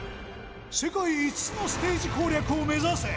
世界５つのステージ攻略を目指せ！